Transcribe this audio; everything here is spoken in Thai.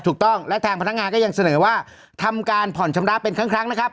ถูกต้องและทางพนักงานก็ยังเสนอว่าทำการผ่อนชำระเป็นครั้งนะครับ